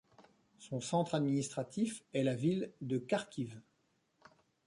Son centre administratif est la ville de Kharkiv.